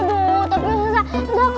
aduh tapi susah